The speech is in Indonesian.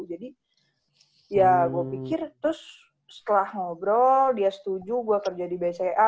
jadi ya gue pikir terus setelah ngobrol dia setuju gue kerja di bca